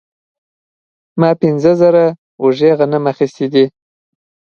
ما پنځه زره وږي غنم اخیستي دي